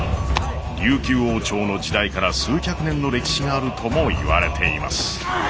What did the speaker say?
琉球王朝の時代から数百年の歴史があるともいわれています。